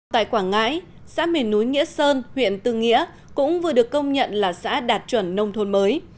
tại quảng ngãi xã miền núi nghĩa sơn huyện tư nghĩa cũng vừa được công nhận là xã đạt chuẩn nông thôn mới